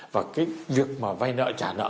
và cái việc mà vay nợ trả nợ